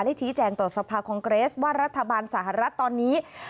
ชี้แจงต่อสภาคองเกรสว่ารัฐบาลสหรัฐตอนนี้